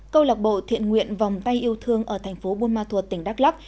câu lạc bộ thiện nguyện vòng tay yêu thương ở thành phố buôn ma thuột tỉnh đắk lắc